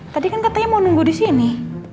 tadi kan katanya mau nunggu di sini